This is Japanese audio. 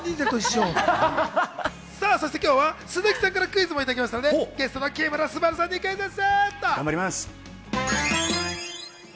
そして今日は鈴木さんからクイズもいただきましたので、ゲストの木村昴さんにクイズッス！